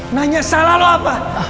nanya salah lo apa